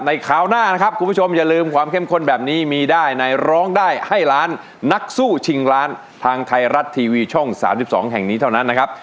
คราวหน้านะครับคุณผู้ชมอย่าลืมความเข้มข้นแบบนี้มีได้ในร้องได้ให้ล้านนักสู้ชิงล้านทางไทยรัฐทีวีช่อง๓๒แห่งนี้เท่านั้นนะครับ